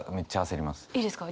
いいですか？